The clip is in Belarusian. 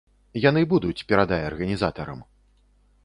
Яны будуць, перадай арганізатарам.